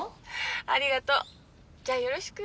ありがとうじゃよろしく。